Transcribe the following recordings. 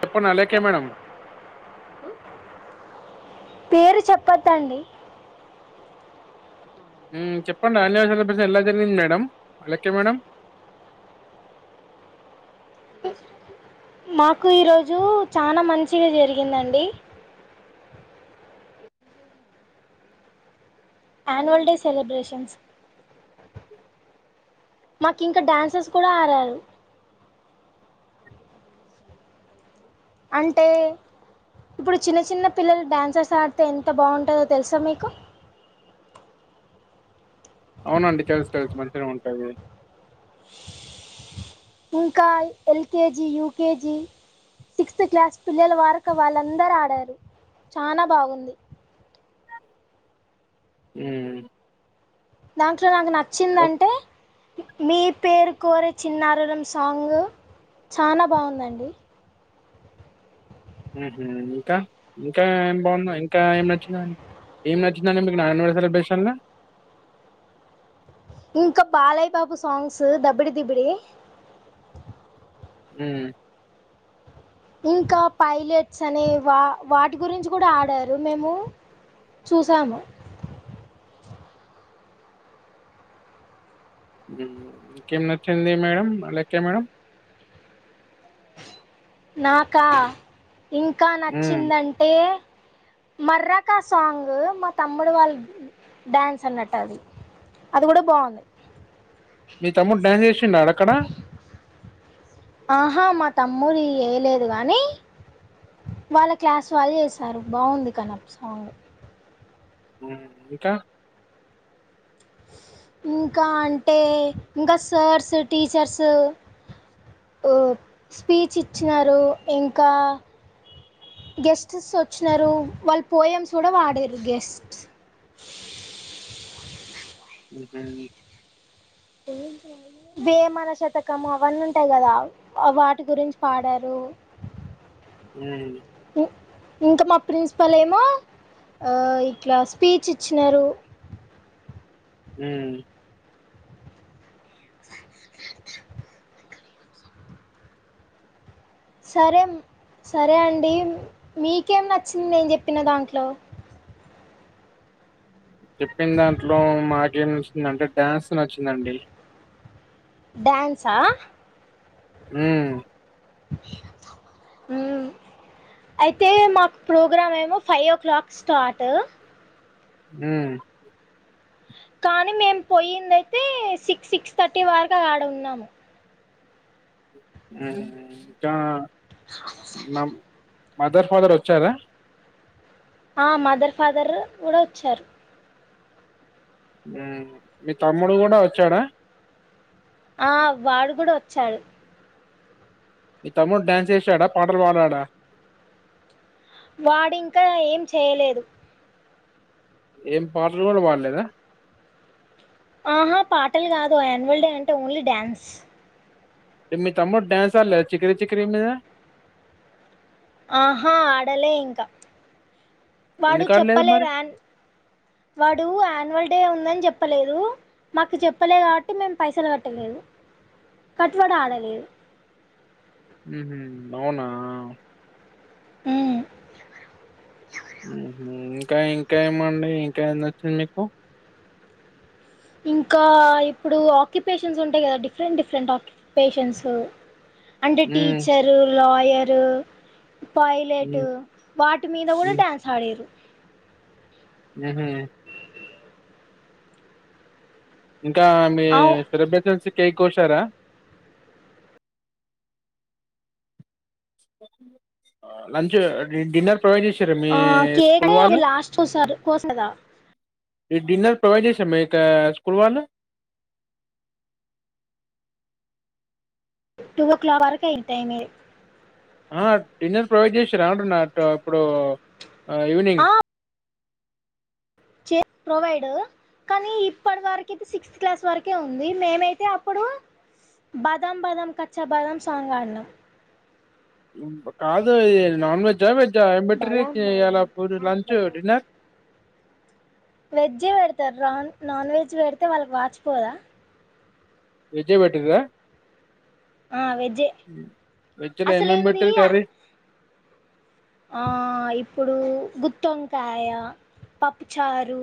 చెప్పండి అలేఖ్య మేడం పేరు చెప్పోత్తండి. ఉమ్ చెప్పండి అన్వషయాల [unintelligible] ఎలా జరిగింది మేడం అలేఖ్య మేడం మాకు ఈరోజు చానా మంచిగా జరిగిందండి. ఆనువల్ డే సెలబ్రేషన్స్ మాకు ఇంకా డ్యాన్సర్స్ కూడా ఆరారు అంటే ఇప్పుడు చిన్న చిన్న పిల్లలు డాన్సర్స్ ఆడితే ఎంత బాగుంటదో తెల్సా మీకు అవునండి తెలుసు తెలుసు మంచిగా ఉంటది. ఇంకా యల్కేజీ యూకేజీ సిక్స్త్ క్లాస్ పిల్లల వారక వాళ్ళందరూ ఆడారు చానా బాగుంది. ఉమ్ దాంట్లో నాకు నచ్చిందంటే మీ పేరు కోరే చిన్నారులం సాంగ్ చానా బాగుందండి. ఊహు ఇంకా ఇంకా ఏం బాగుంది ఇంకా ఏం నచ్చినాయ్ ఏం నచ్చిందండి మీకు నానువల్ సెలబ్రేషన్ లా ఇంకా బాలాయ్యబాబు సాంగ్స్ దబిడి దిబిడి ఉమ్ ఇంకా పైలట్స్ అనే వా వాటి గురించి కూడా ఆడారు మేము చూసాము ఇంకేమి నచ్చింది మేడమ్ అలేఖ్య మేడం నాకా ఇంకా మ్మ్. నచ్చిందంటే మర్రకా సాంగ్ మా తమ్ముడు వాళ్ళ డాన్స్ అన్నట్టు అది అది కూడా బాగుంది. మీ తమ్ముడు డ్యాన్స్ చేసిండాడు అక్కడా ఆహా మా తమ్మురి వేయ్యలేదు గాని వాళ్ళ క్లాస్ వాళ్ళు చేసారు బాగుంది కానది సాంగ్ ఇంకా ఇంకా అంటే ఇంకా సార్స్ టీచర్సు ఒప్ స్పీచ్ ఇచ్చినారు ఇంకా గెస్ట్స్ వచ్చినారు వాళ్ళు పోయంమ్స్ కూడా వాడిర్రు గెస్ట్స్ ఊహు వేమన శతకము అవన్నీ ఉంటాయ్ కదా వాటి గురించి పాడారు. ఊ ఇంక మా ప్రిన్సిపల్ ఏమో ఆ ఇట్లా స్పీచ్ ఇచ్చినరు. ఉమ్ సరేం సరే అండి మీకేం నచ్చింది నేను చెప్పిన దాంట్లో చెప్పిన దాంట్లో మాకేం నచ్చిందంటే డ్యాన్స్ నచ్చిందండి. డ్యాన్సా ఊ ఉమ్ అయితే మాక్ ప్రోగ్రామ్ ఏమో ఫైవ్ ఓ క్లాక్ స్టార్ట్ ఊ కానీ మేము పోయిందయితే సిక్స్ సిక్స్ థర్టీ వరకు ఆడ ఉన్నాము ఉ చా నా వల్లనే మదర్ ఫాదర్ వచ్చారా ఆ మదర్ ఫాదర్ర్ కూడా వచ్చారు ఊ మీ తమ్ముడు గూడా వచ్చాడా ఆ వాడు కూడా వచ్చాడు మీ తమ్ముడు డ్యాన్స్ చేసాడా పాటలు పాడాడా వాడింకా ఏం చేయలేదు ఏం పాటలు కూడా పాడలేదా ఆహా పాటలు కాదు యాన్యువల్ డే అంటే ఓన్లీ డ్యాన్స్ మీ తమ్ముడు డాన్స్ ఆడలే చికిరీ చికరీ మీద ఆహా ఆడలే ఇంకా వాడు ఎందుకు ఆడలేదు మరి చెప్పలేదు యాన్ వాడు యాన్యువల్ డే ఉందని చెప్పలేదు మాకు చెప్పలే కాబట్టి మేం పైసలు కట్టలేదు కట్వాడ ఆడ లేదు ఊహు అవునా ఊ ఇంకా ఇంకా ఏమండి ఇంకా నచ్చింది మీకు ఇంకా ఇప్పుడు ఆక్యుపేషన్స్ ఉంటాయి కదా డిఫరెంట్ డిఫరెంట్ ఆక్యు పేషెన్సు అంటే ఉమ్ టీచరు లాయరు పైలెటు ఉమ్ వాటి మీద కూడా ఉమ్ డ్యాన్స్ ఆడిరు ఉహు ఇంకా మీ అవు సెలబ్రేషన్ కేక్ కోసారా లంచు డిన్నర్ ప్రొవైడ్ చేసిరా మీ ఆ కేక్ స్కూల్ వాళ్ళు లాస్ట్ కోసారు కోసదా ఈ డిన్నర్ ప్రొవైడ్ చేస మీకా స్కూల్ వాళ్ళు టూ వ క్లాక్ వరకు అయి టైమే ఆ డిన్నర్ ప్రొవైడ్ చేసిరా అంటున్నటు ఇప్పుడూ ఆ ఈవినింగ్ ఆ [inaudible] చే ప్రొవైడు కానీ ఇప్పడి వరకి సిక్స్త్ క్లాస్ వరకే ఉంది మేమైతే అప్పుడు బదం బదం కచ్చా బదం సాంగ్ ఆడిన కాదు ఇది నాన్ వెజ్ వెజ్ మెట బలాం బలాం ఎలా కచ్చా లంచ డిన్నర్ వెజ్జి పెడతారు రాన్ నాన్ వెజ్ పెడితే వాళ్ళకి వాచిపోదా విజయ పెెట్ద ఆ వెజ్జే వచ్చలే అసలేంది ఏమపటిల్ కర ఆ ఇప్పుడు గుత్తి వంకాయ పప్పుచారు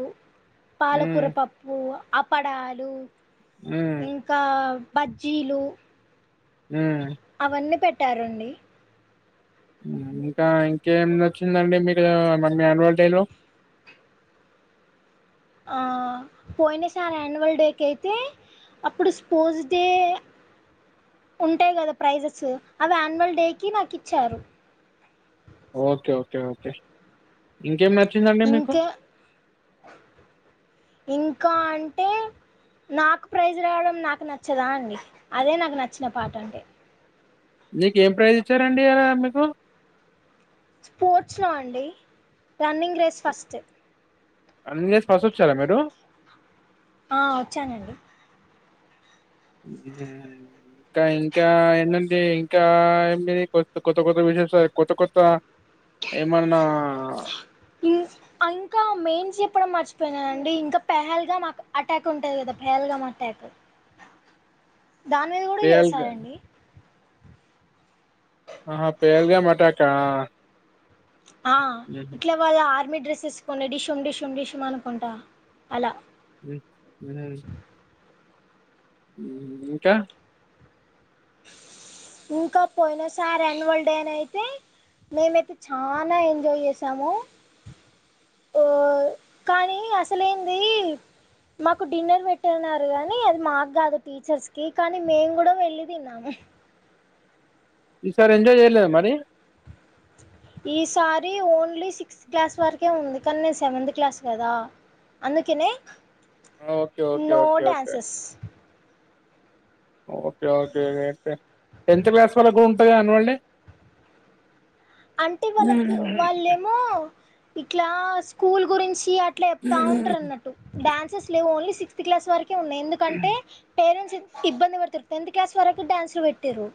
ఉమ్ పాలకూర పప్పు అప్పడాలు ఉమ్ ఇంకా బజ్జీలు ఉమ్ అవన్నీ పెట్టారండి ఇంకా ఇంకేం వచ్చిందండి మీకు మ యాన్వల్ డేలో [inaudible] ఆ పోయిన సార్ యాన్యువల్ డేకి అయితే అప్పుడు స్పోస్ డే ఉంటాయి కదా ప్రైజెస్ అవి యాన్యువల్ డేకి నాకు ఇచ్చారు ఓకే ఓకే ఓకే ఇంకే మ ఇంకా ఇంకా అంటే నాకు ప్రైజ్ రావడం నాకు నచ్చదా అండి అదే నాకు నచ్చిన పాట అంటే మీక ఏం ప్రైజ్ ఇచ్చారండి ఇలా మీకు స్పోర్ట్స్లో అండి running race first running race first వచ్చారా మీరు ఆ వచ్చానండి ఉమ్, ఇంకా ఇంకా ఏంటండి ఇంకా ఏ కొ కొత్త కొత్త విషేష కొత్త కొత్త ఏమన్నా ఇంకా మెయిన్ చెప్పడం మర్చి పోయినండి ఇంకా పెహల్గామ్ అటాక్ ఉంటుంది కదా పహల్గామ్ అటాక్ దాని మీద కూడా పేల్గా చేసారండి ఆహా ఫహెల్గమ్ ఎటాక్ ఆ ఇట్లా వాళ్ళ ఆర్మీ డ్రెస్ ఆసుకో డిషం డిషం డిషమ్ అనుకుంటా అలా హుహు ఇంకా ఇంకా పోయిన సార్ యాన్యువల్ డే అని అయితే మేమైతే చానా ఎంజాయ్ చేసాము ఓ కానీ అసలే ఏంది మాకు డిన్నర్ పెట్టిన్నారు కాగానీ అది మాకు కాదు టీచర్స్ కి కానీ మేము కూడా వెళ్లి తిన్నాము ఈ సార్ ఎంజాయ్ చేయలేద మరి ఈసారి ఓన్లీ సిక్స్త్ క్లాస్ వరకే ఉంది కానీ నేను సెవెంత్ క్లాస్ కదా అందుకనే okay. Okay. No okay. Okay. Dances okay okay అయితే టెన్త్ క్లాస్ వల్లకు ఉంటుంది కా అన్యూల్ డే అంటే వాళ్ళకి వాళ్ళేమో ఇట్లా స్కూల్ గురించి అట్లా చెప్తా ఉంటారు అన్నట్టు డాన్సెస్ లేవు ఓన్లీ సిక్స్త్ క్లాస్ వరకి ఉన్నాయి ఎందుకంటే పేరెంట్స్ ఇబ్బంది పెడతారు టెన్త్ క్లాస్ వరకు డ్యాన్స్లు పెటిరు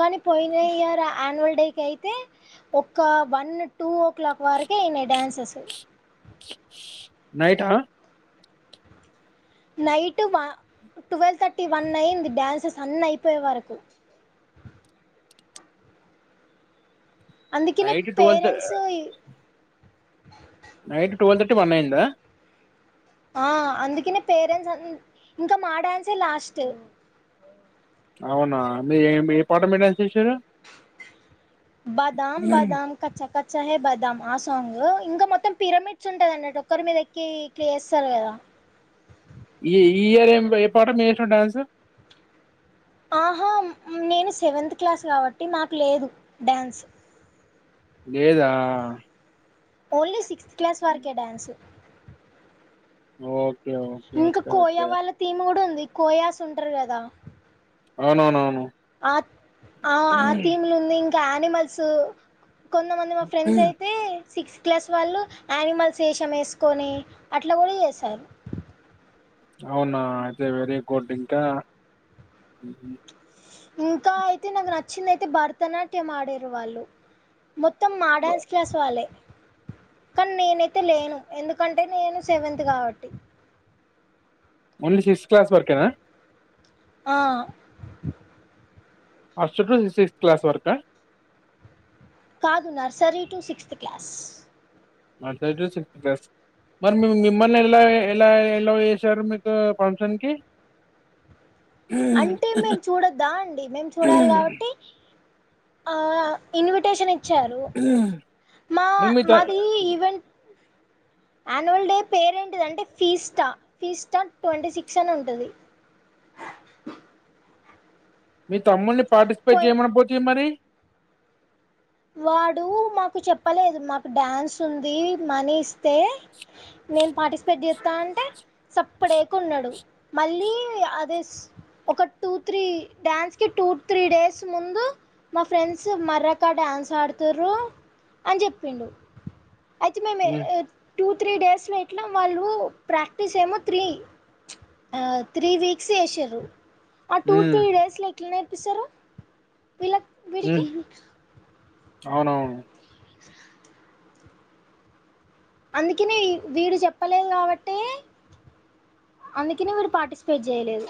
కానీ పోయిన ఇయర్ ఆయాన్యువల్ డేకి అయితే ఒ వన్ టూ ఓ క్లాక్ వరకే న డ్యాన్సస్ నైట్ ఆ నైట్ ట్వెల్వ్ థర్టీ వన్ అయింది డ్యాన్సెస్ అన్ని అయిపోయే వరకు అందుకనే night parents night twelve thirty one అయిందా ఆ అందుకనే పేరెంట్స్ ఇంకా మా డాన్సే లాస్ట్ అవునా మీరు ఏ ఏ పాట మీద డాన్స్ చేసిరు బదమ్ బాదం కచా క సహే బదాం ఆ సాంగ్ ఇంకా మొత్తం పిరమిడ్స్ ఉంటదన్నట్టు ఒక్కరి మీద ఎక్కి క్ చేస్తారు కదా ఈ ఈ ఇయర్ ఏ ఏ పాట మీష డాన్సార్ ఆహా నేను సెవెంతత్ క్లాస్ కాబట్టి మాకు లేదు డ్యాన్స్ లేదా ఓన్లీ సిక్స్త్ క్లాస్ వరకే డాన్స్ ఓ ఇంకా కోయా వాళ్ళ థీమ్ కూడా ఉంది కోయాస్ ఉంటారు కదా అవునవునవును ఆ ఆ ఆ థీమ్లు ఉంది ఇంకా యానిమల్స్ కొంతమంది మా ఫ్రెండ్స్ అయితే సిక్స్త్ క్లాస్ వాళ్ళు యానిమల్స్ వేషం వేసుకొని అట్లా కూడా చేసారు అవునా అయితే వెరీ గుడ్ ఇంకా ఇంకా అయితే నాకు నచ్చింద అయితే భరతనాట్యం ఆడిరు వాళ్ళు మొత్తం మా బ డాన్స్ క్లాస్ వాళ్ళే కానీ నేనైతే లేను ఎందుకంటే నేను సెవెంత్ కాబట్టి ఓన్లీ సిక్స్త్ క్లాస్ వరకేనా ఆ అస్ టు సిక్స్త్ క్లాస్ వరకా కాదు నర్సరీ టు సిక్స్త్ క్లాస్ [unintelligible] మరి మిమ్మల్ని ఎలా ఎలా ఎలా చేసారు మీకు ఫంక్షన్ కి అంటే మేము చూడొద్దా అండి మేము చూడాలి కాబట్టి ఆ ఇని షన్ ఇచ్చారు మా మరి మీ త మాది ఈవెంట్ యాన్యువల్ డే పేరేంటిదంటే ఫీస్టా ఫీస్టా ట్వంటీ సిక్స్ అని ఉంటుంది మీ తమ్ముల్ని పార్టిసిపేట్ పోయి చేయమని పోతే మరి వాడు మాకు చెప్పలేదు మాకు డడాన్స్ ఉంది మనీ ఇస్తే నేను పార్టిసిపేట్ చేస్తా అంటే సప్పడే కొ ఉన్నాడు మళ్ళీ అద ఒక టూ త్రీ డ్యాన్స్ కి టూ త్రీ డేస్ ముందు మా ఫ్రెండ్స్ మర్రక డ్యాన్స్ ఆడుతారు అని చెప్పిండు అయితే మేము ఉమ్, టూ త్రీ డేస్లో ఇట్లా వాళ్ళు ప్రాక్టీస్ ఏమో త్రీ త్రీ వీక్స్ వసారు ఆ టూ ఉమ్, త్రీ డేస్ లో ఎట్లా నేర్పిస్తారు వీళ్ళ ఉమ్, వీరికి అవునవును అందుకని వీడు చెప్పలేదు కాబట్టి అందుకని ఇరు పార్సిపేట్ చేయలేదు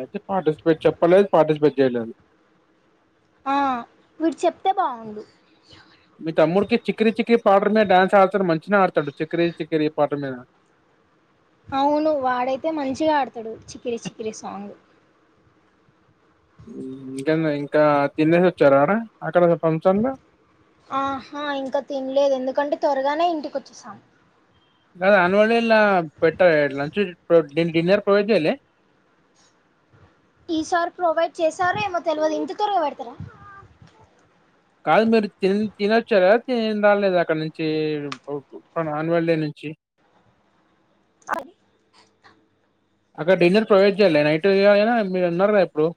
యితే పార్టిసిపేట్ చెప్పలేదు పార్టిసిపేట్ చేయలేదు ఆ మీరు చెప్ మీత మూడుకి చికర చికరి పాట మీద డడాన్స్ ఆడతాడు మంచిిన ఆడతాడు చిక్కరే చక్కెరే పాట మీద అవును వాడైతే మంచిగా ఆడతాడు చిక్కిరి చికిరి సాంగ్ ఇంకా ఇంకా తినేసి వచ్చారా ఆడ అక్కడ ఫంక్షన్ లో ఆహా ఇంకా తినలేదు ఎందుకంటే త్వరగానే ఇంటికి వచ్చేసాము గద అన్వాళిలా పెట్ట లంచ్ డిన్నర్ ప్రొవైడ్ చేయాలి ఈసారి ప్రొవైడ్ చేసారు ఏమో తెలియదు ఇంటి తర పెడతారా కాదు మీరు త తినొచ్చారు కదా త రాలేదు అక్కడ నుంచి ఆన్వల్ డే నుంచి చె అది అక్కడ డిన్నర్ ప్రొవైడ్ చేయాలి నైట్ అనా మీరు ఉన్నారా ఇప్పుడు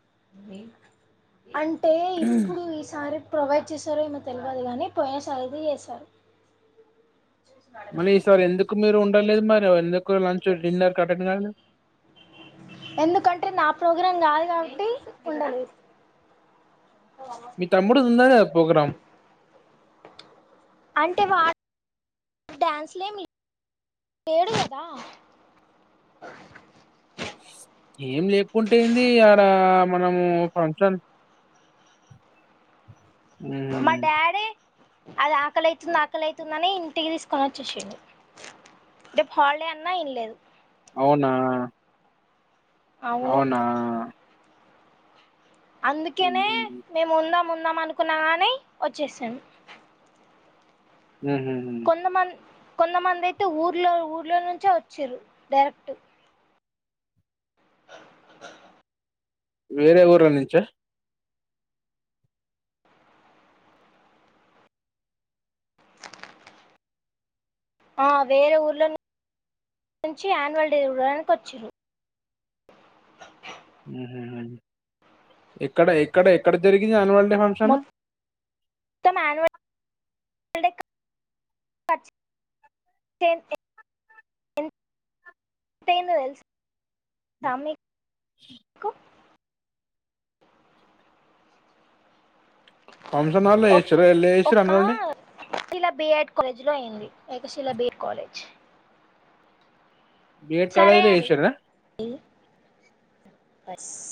అంటే ఇప్పుడు ఈసారి ప్రొవైడ్ చేశారు ఏమె తెలియదు కానీ పోయి సార్ ఇది చేసారు మరి ఈ సారి ఎందుకు మీరు ఉండలేదు మరి ఎందుకు లంచ్ డిన్నర్ కట్టండి కాదు ఎందుకంటే నా ప్రోగ్రాం కాదు కాబట్టి ఉండదు మీ తమ్ముడుదిందానే పోగ్రాం అంటే వా డ్యాన్స్లుం లే కేడుదా ఏం లేకుంటేయింది అడ మనము ఫంక్షన్ మా హ్మ్. డాడే అది ఆకలి అైతుంది ఆకలైతుందని ఇంటికి తీసుకొని వచ్చేసిడు రేపు హాలిడే అన్నా ఇనలేదు అవునా అవును అవునా అందుకేనే మ్మ్. మేము ఉందాం ఉందాం అనుకున్నా కానీ వచ్చేసాను హు హు హు కొందమందైతే ఊర్లో ఊర్లో నుంచే వచ్చిరు డైరెక్ట్ అ వేరే ఊరు నుంచ ఆ వేరే ఊర్లో నుంచి యాన్యువల్ డే చూడడానికి వచ్చిర్రు ఎక్కడ ఎక్కడ ఎక్కడ జరిగింది యానివళ్ మొత్తం ఆనువల్ క డే కచ్చ్ [inaudible] తెలుసా మీకు ఫంషన్ ఆల్లో ఏచిర ఇల్ ఏసర అనోల్డి శిలా బి ఎడ్ కాలేజ్ లో అయింది Ekashila B Ed college B Ed సరే‌ కాలేజ్ లో అడి చేసిర్రా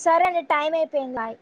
సరే అండి టైం అయిపోయింది లాయ్